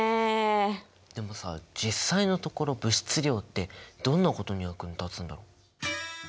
でもさ実際のところ物質量ってどんなことに役に立つんだろう？